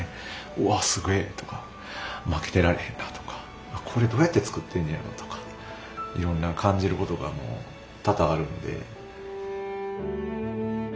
うわすげえとか負けてられへんなとかこれどうやって作ってんねやろとかいろんな感じることが多々あるんで。